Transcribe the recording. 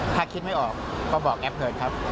ถ้าคิดไม่ออกก็บอกแอปกับระเฟิร์นครับ